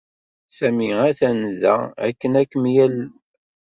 Sami atan da akken ad kem-yalel.